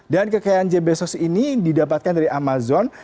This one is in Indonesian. dan kekayaan ajaes bezos ini didapatkan dari amazon